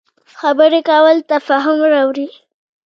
خبرې کول تفاهم راوړي